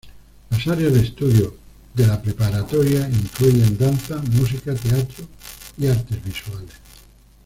Las áreas de estudio de la preparatoria incluyen danza, música, teatro y artes visuales.